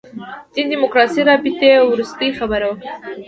دین دیموکراسي رابطې وروستۍ خبره وکړي.